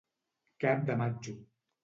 Cap de matxo.